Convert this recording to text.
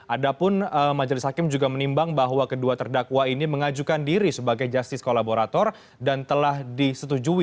adapun majelis hakim juga menimbang bahwa kedua terdakwa ini mengajukan diri sebagai justice kolaborator dan telah disetujui